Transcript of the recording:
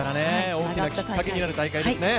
大きなきっかけになる大会ですね。